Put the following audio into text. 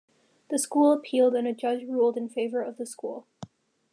The school appealed and a judge ruled in favor of the school.